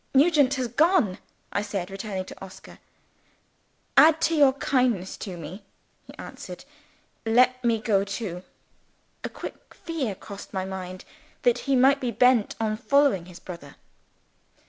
"Nugent has gone," I said, returning to Oscar. "Add to your kindness to me," he answered. "Let me go too." A quick fear crossed my mind, that he might be bent on following his brother.